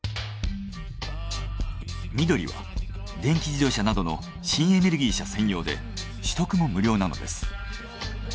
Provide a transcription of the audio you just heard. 緑は電気自動車などの新エネルギー車専用で取得も無料なのです。